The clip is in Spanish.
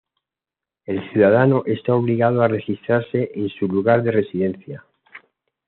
El ciudadano está obligado a registrarse en su lugar de residencia.